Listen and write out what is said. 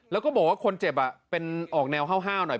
แล้วก็บอกว่าคนเจ็บเป็นออกแนวห้าวหน่อย